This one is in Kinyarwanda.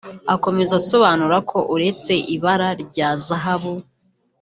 Akomeza asobanura ko uretse ibara rya zahabu